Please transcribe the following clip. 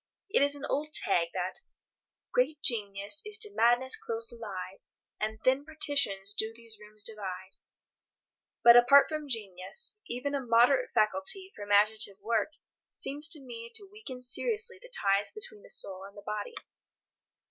It is an old tag that "Great Genius is to madness close allied, And thin partitions do those rooms divide." But, apart from genius, even a moderate faculty for imaginative work seems to me to weaken seriously the ties between the soul and the body.